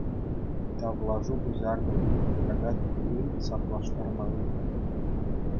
Тавлашу пуҫартӑм, тӑкака туллин саплаштарма ыйтрӑм.